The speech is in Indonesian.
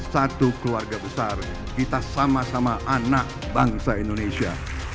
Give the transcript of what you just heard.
satu keluarga besar kita sama sama anak bangsa indonesia